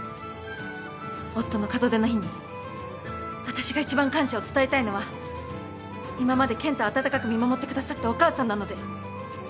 夫の門出の日に私が一番感謝を伝えたいのは今まで健太を温かく見守ってくださったお母さんなので。